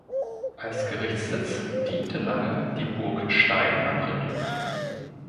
Als Gerichtssitz diente lange die Burg Stein am Ritten.